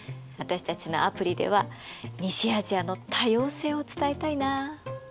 私たちのアプリでは西アジアの多様性を伝えたいな。